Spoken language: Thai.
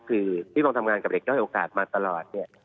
คือพี่ป๋องทำงานกับเด็กน้อยโอกาสมาตลอด